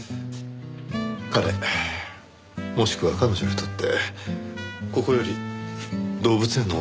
彼もしくは彼女にとってここより動物園のほうが幸せです。